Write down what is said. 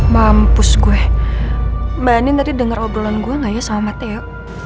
mampus gue mbak andin tadi dengar obrolan gue nggak ya sama matteo